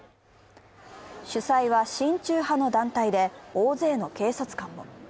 主催は親中派の団体で、大勢の警察官も。